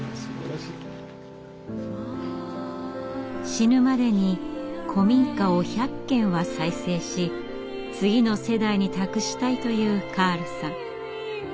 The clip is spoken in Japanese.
死ぬまでに古民家を１００軒は再生し次の世代に託したいというカールさん。